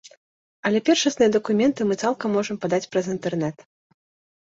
Але першасныя дакументы мы цалкам можам падаць праз інтэрнэт.